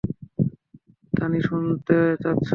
তানি, শুনতে পাচ্ছ?